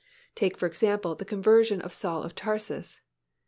Take, for example, the conversion of Saul of Tarsus.